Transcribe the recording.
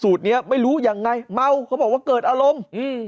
เนี้ยไม่รู้ยังไงเมาเขาบอกว่าเกิดอารมณ์อืม